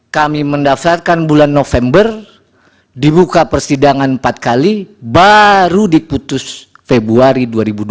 kami mendaftarkan bulan november dibuka persidangan empat kali baru diputus februari dua ribu dua puluh